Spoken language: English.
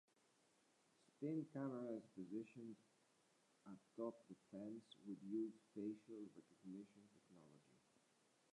Spin cameras positioned atop the fence would use facial recognition technology.